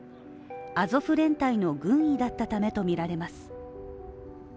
アゾフ連隊の軍医だったためとみられます。